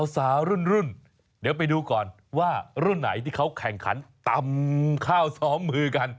สาวรุ่นเดี๋ยวไปดูก่อนว่ารุ่นไหนที่เขาแข่งขันตำข้าวซ้อมมือกัน